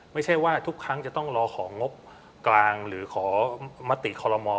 ไม่ใช่ว่าทุกครั้งจะต้องรอของงบกลางหรือขอมติคอลโลมอล